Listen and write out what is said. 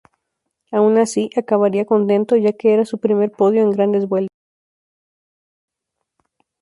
Aun así, acabaría contento, ya que era su primer podio en Grandes Vueltas.